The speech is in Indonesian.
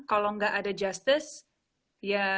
kalau nggak ada justice